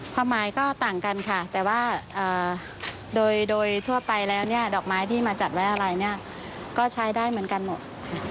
ความหมายก็ต่างกันค่ะแต่ว่าโดยทั่วไปแล้วเนี่ยดอกไม้ที่มาจัดไว้อะไรเนี่ยก็ใช้ได้เหมือนกันหมด